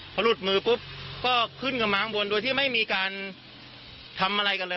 พอหลุดมือปุ๊บก็ขึ้นกันมาข้างบนโดยที่ไม่มีการทำอะไรกันเลย